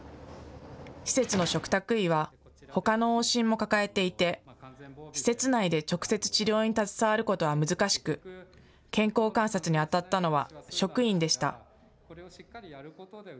施設の嘱託医はほかの往診も抱えていて施設内で直接治療に携わることは難しく健康観察にあたったのは職員でした。